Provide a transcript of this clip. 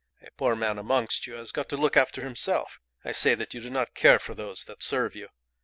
"A poor man amongst you has got to look after himself. I say that you do not care for those that serve you.